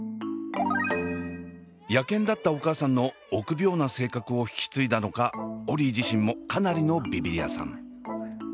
野犬だったお母さんの臆病な性格を引き継いだのかオリィ自身もかなりのビビリ屋さん。